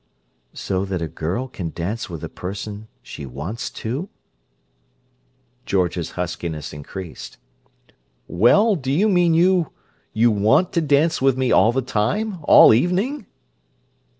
"So that a girl can dance with a person she wants to?" George's huskiness increased. "Well, do you mean you—you want to dance with me all the time—all evening?"